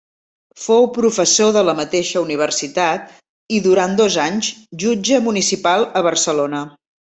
Fou professor de la mateixa Universitat i, durant dos anys, jutge municipal a Barcelona.